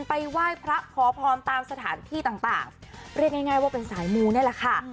ไปไหว้พระขอพรตามสถานที่ต่างเรียกง่ายว่าเป็นสายมูนี่แหละค่ะ